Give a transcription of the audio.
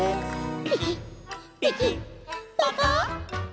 「ピキピキパカ！」